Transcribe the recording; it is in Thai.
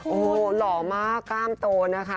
โอ้โหหล่อมากกล้ามโตนะคะ